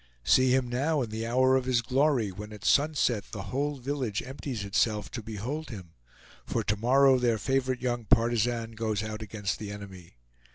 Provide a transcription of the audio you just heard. See him now in the hour of his glory, when at sunset the whole village empties itself to behold him, for to morrow their favorite young partisan goes out against the enemy.